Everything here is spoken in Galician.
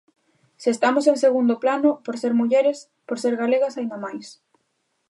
Se estamos en segundo plano por ser mulleres, por ser galegas aínda máis.